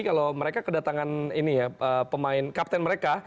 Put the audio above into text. kalau mereka kedatangan ini ya pemain kapten mereka